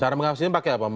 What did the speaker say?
cara mengawasinya pakai apa